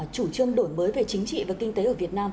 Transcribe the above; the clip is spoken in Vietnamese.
chủ trương đổi mới về chính trị và kinh tế ở việt nam